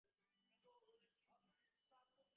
কী চাও তুমি?